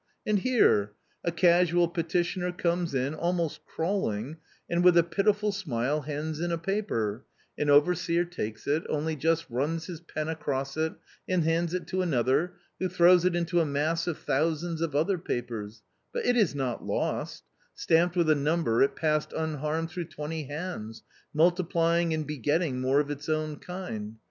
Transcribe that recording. And here ; a casual petitioner comes in, almost crawling, and with a pitiful smile hands in a paper — an overseer takes it, only just runs his pen across it, and hands it to another, who throws it into a mass of thousands of other papers — but it is not lost ; stamped with a number it passes unharmed through twenty hands, multiplying and begetting more of its own kind.